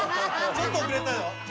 ちょっと遅れた。